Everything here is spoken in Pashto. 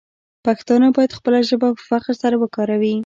پښتانه باید خپله ژبه په فخر سره وکاروي.